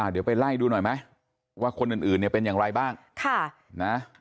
เดี๋ยวไปไล่ดูหน่อยไหมว่าคนอื่นเนี่ยเป็นอย่างไรบ้าง